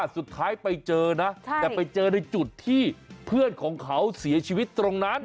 สุดท้ายไปเจอนะแต่ไปเจอในจุดที่เพื่อนของเขาเสียชีวิตตรงนั้น